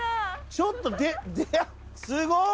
ちょっと出すごい！